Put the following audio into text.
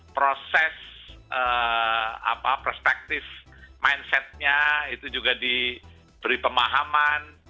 proses perspektif mindsetnya itu juga diberi pemahaman